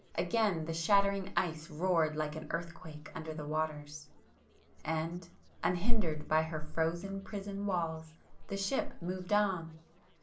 again the shattering ice roared like an earthquake under the waters, ... and, unhindered by her frozen prison walls, the ship moved on!